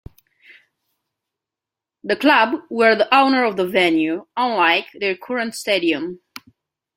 The club were the owner of the venue, unlike their current stadium.